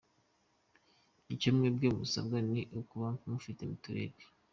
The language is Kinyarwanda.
Icyo mwebwe musabwa ni ukuba mufite mituweri.